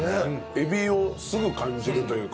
海老をすぐ感じるというか。